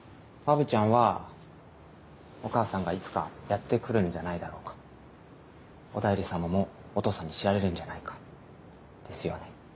ぶちゃんはお母さんがいつかやって来るんじゃないだろうかおだいり様もお父さんに知られるんじゃないかですよね？